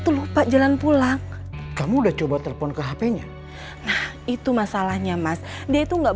tuh lupa jalan pulang kamu udah coba telepon ke hp nya nah itu masalahnya mas dia itu nggak